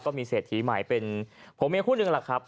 ก็มีเศรษฐีใหม่เป็นผัวเมียคู่หนึ่งแหละครับ